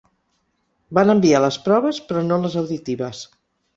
Van enviar les proves, però no les auditives.